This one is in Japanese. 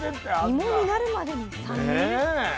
芋になるまでに３年？ねえ。